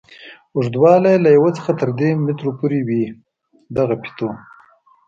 اوږدوالی یې له یوه څخه تر درې متره پورې وي دغه فیتو.